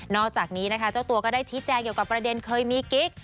อกจากนี้นะคะเจ้าตัวก็ได้ชี้แจงเกี่ยวกับประเด็นเคยมีกิ๊ก